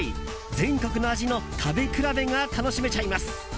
全国の味の食べ比べが楽しめちゃいます。